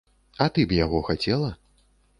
А ты б яго хацела?